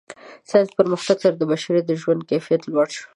د ساینسي پرمختګ سره د بشریت د ژوند کیفیت لوړ شوی.